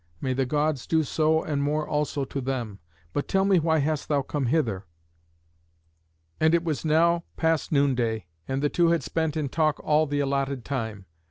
May the Gods do so and more also to them. But tell me why hast thou come hither?" And it was now past noonday, and the two had spent in talk all the allotted time.